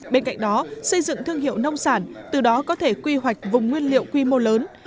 bên cạnh đó xây dựng thương hiệu nông sản từ đó có thể quy hoạch vùng nguyên liệu quy mô lớn